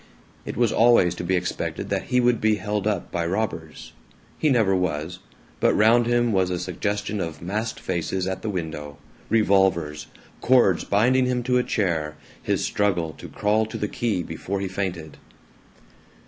It was always to be expected that he would be held up by robbers. He never was, but round him was a suggestion of masked faces at the window, revolvers, cords binding him to a chair, his struggle to crawl to the key before he fainted.